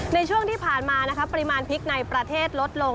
ในช่วงที่ผ่านมาปริมาณพริกในประเทศลดลง